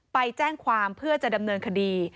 ไปแจ้งความเพื่อจะดำเนินคดี